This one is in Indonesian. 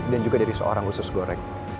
dan juga dari seorang usus goreng